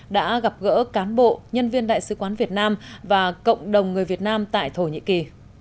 đã gặp gỡ cán bộ nhân viên đại sứ quán việt nam và cộng đồng người việt nam tại thổ nhĩ kỳ